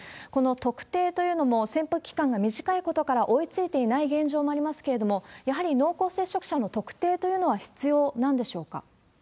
この特定というのも、潜伏期間が短いことから、追いついていない現状もありますけれども、やはり濃厚接触者の特定というのは必要なんでしょうか。